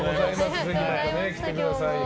ぜひまた来てくださいね。